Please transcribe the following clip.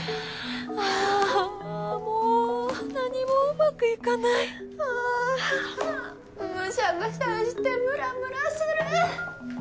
あもう何もうまくいかないあむしゃくしゃしてムラムラする！